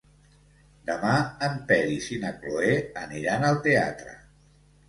Demà en Peris i na Cloè aniran al teatre.